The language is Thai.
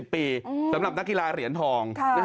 ปีสำหรับนักกีฬาเหรียญทอง